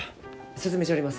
進めちょります。